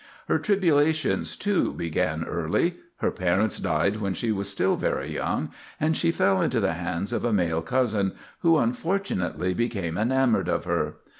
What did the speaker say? Her tribulations, too, began early. Her parents died when she was still very young, and she fell into the hands of a male cousin, who unfortunately became enamored of her.